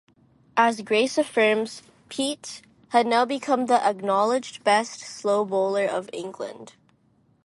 As Grace affirms, "Peate... had now become the acknowledged best slow bowler of England".